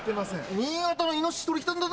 新潟のイノシシ取り来たんだぞ。